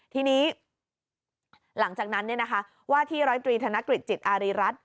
ทีนี้หลังจากนั้นเนี่ยนะคะว่าที่๑๐๓ธนกฤษจิตอารีรัฐ